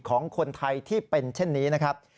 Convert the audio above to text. ของคนไทยที่เป็นเช่นนี้นะครับ